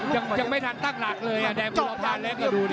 ยังไม่ทันตั้งหลังเลยแดงกุราภาแล้วก็ดูดิ